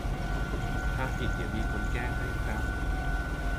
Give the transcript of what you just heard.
ถ้าผิดเดี๋ยวมีคนแก้ให้ครับ